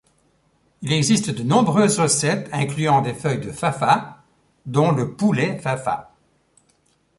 Il existe de nombreuses recettes incluant des feuilles de fafa, dont le poulet Fafa.